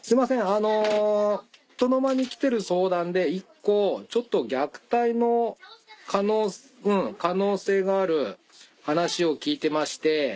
あのひとのまに来てる相談で１個ちょっと虐待の可能性がある話を聞いてまして。